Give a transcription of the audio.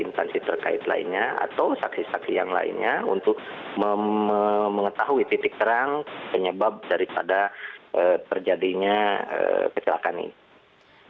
instansi terkait lainnya atau saksi saksi yang lainnya untuk mengetahui titik terang penyebab daripada terjadinya kecelakaan ini